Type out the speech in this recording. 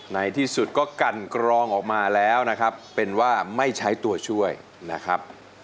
ในที่สุดก็กันกรองออกมาแล้วนะครับเป็นว่าไม่ใช้ตัวช่วยนะครับ